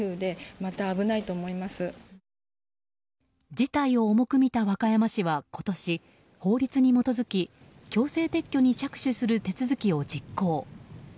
事態を重く見た和歌山市は今年法律に基づき強制撤去に着手する手続きを実行。